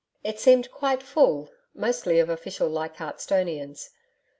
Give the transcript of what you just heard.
It seemed quite full mostly of official Leichardt'stonians.